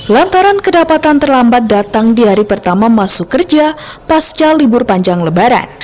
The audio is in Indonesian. lantaran kedapatan terlambat datang di hari pertama masuk kerja pasca libur panjang lebaran